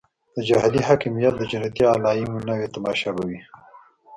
د جهادي حاکمیت د جنتي علایمو نوې تماشه به وي.